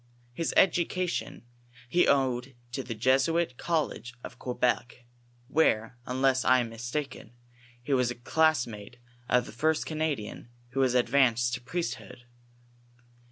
His education ho owed to the Jesuit college of Quebec, where, unless I am mistaken, he was a class mate of the first Canadian who was advanced to the priesthood.